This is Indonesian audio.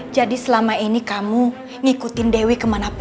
jadi selama ini kamu ngikutin dewi kemanapun